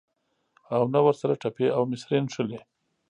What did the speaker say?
او نه ورسره ټپې او مصرۍ نښلي.